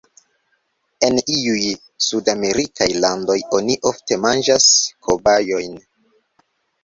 En iuj sudamerikaj landoj oni ofte manĝas kobajojn.